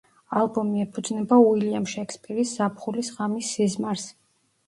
ალბომი ეფუძნება უილიამ შექსპირის „ზაფხულის ღამის სიზმარს“.